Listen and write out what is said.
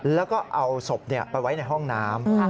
แล้วก็เอาศพไปไว้ในห้องน้ำ